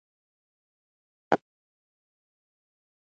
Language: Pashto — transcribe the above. له هېچا زړه نه بدوي.